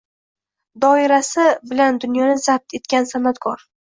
Doirasi bilan dunyoni “zabt” etgan san’atkor